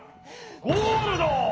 ゴールド！